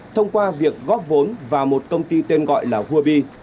thông qua việc góp vốn vào một công ty tên gọi là huabi